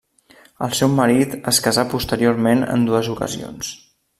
El seu marit es casà posteriorment en dues ocasions.